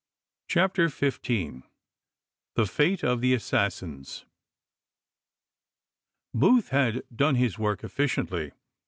CHAPTER XV THE FATE OP THE ASSASSINS BOOTH had done his work efficiently.